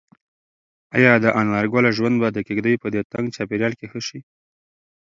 ایا د انارګل ژوند به د کيږدۍ په دې تنګ چاپیریال کې ښه شي؟